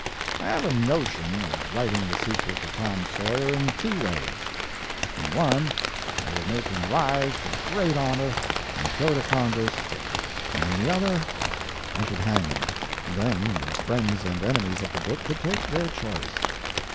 "I have a notion of writing the sequel to Tom Sawyer in two ways. In one I would make him rise to great honour and go to Congress, and in the other I should hang him. Then the friends and enemies of the book could take their choice."